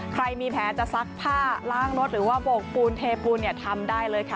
ใครมีแผนจะซักผ้าล้างรถหรือว่าโบกปูนเทปูนทำได้เลยค่ะ